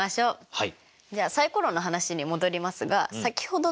はい。